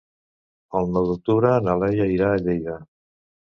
El nou d'octubre na Laia irà a Lleida.